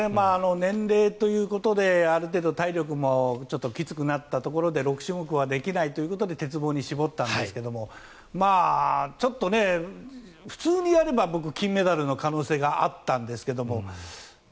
年齢ということである程度体力もきつくなったところで６種目はできないということで鉄棒に絞ったんですが普通にやれば金メダルの可能性があったんですけれども。